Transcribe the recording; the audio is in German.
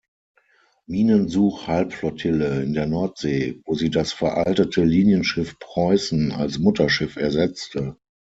Minensuch-Halbflottille in der Nordsee, wo sie das veraltete Linienschiff "Preußen" als Mutterschiff ersetzte.